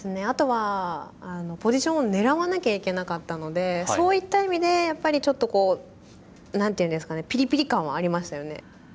あとはあのポジションを狙わなきゃいけなかったのでそういった意味でやっぱりちょっとこう何ていうんですかねぴりぴり感はありましたよね。